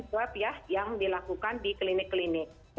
swab ya yang dilakukan di klinik klinik